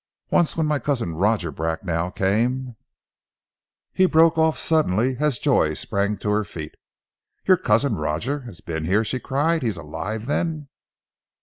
Once when my cousin Roger Bracknell came " He broke off suddenly as Joy sprang to her feet. "Your cousin Roger has been here?" she cried. "He is alive then?"